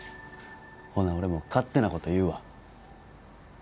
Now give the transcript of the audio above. ほな俺も勝手なこと言うわ。